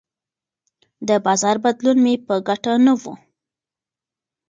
د بازار بدلون مې په ګټه نه و.